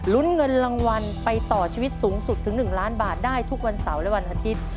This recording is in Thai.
ลุ้นเงินรางวัลไปต่อชีวิตสูงสุดถึง๑ล้านบาทได้ทุกวันเสาร์และวันอาทิตย์